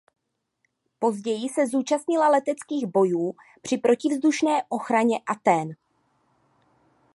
Později se zúčastnila leteckých bojů při protivzdušné ochraně Athén.